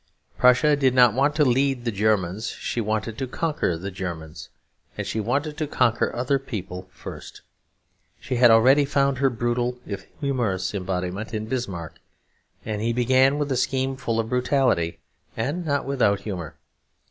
Prussia did not want to lead the Germans: she wanted to conquer the Germans. And she wanted to conquer other people first. She had already found her brutal, if humorous, embodiment in Bismarck; and he began with a scheme full of brutality and not without humour.